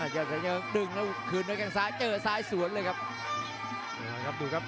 ยอดสัญเชิงก็ดึงแล้วคืนมากลางซ้ายเจ๋อซ้ายสวนเลยครับ